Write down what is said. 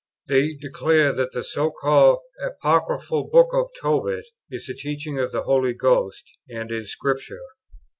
They declare that the so called "apocryphal" book of Tobit is the teaching of the Holy Ghost, and is Scripture.